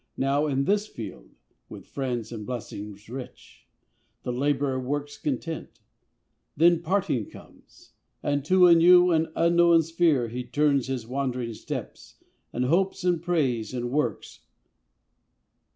Now in this field, with friends and blessings rich, The labourer works content; then parting comes, And to a new and unknown sphere he turns His wandering steps, and hopes and prays and works.